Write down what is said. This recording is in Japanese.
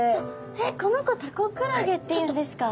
えっこの子タコクラゲっていうんですか？